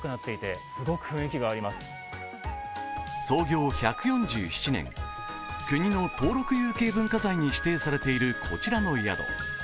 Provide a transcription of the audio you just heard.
創業１４７年、国の登録有形文化財に指定されている、こちらの宿。